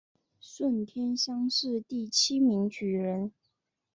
顺天乡试第七名举人。